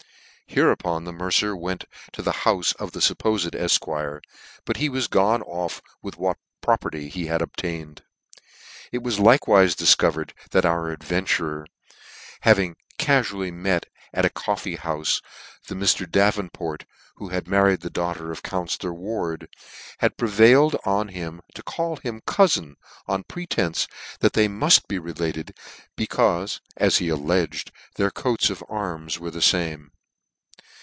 Hereupon the mercer went to the houfe of the fuppofed efquire, but he was gone off with what property he had obtained. It was likewife difcovered that our adventurer having cafually met, at a coffee houfe, the Mr. Davenport who had married the daughter of counfellor Ward, had prevailed on him to call him coufin, on the pretence that they muft be related, becaufe, as he alledged, their coats of arms were the lame.